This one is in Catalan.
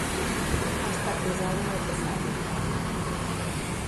Ha estat casada en el passat.